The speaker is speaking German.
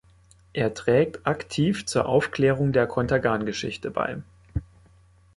Er trägt aktiv zur Aufklärung der Contergan-Geschichte bei.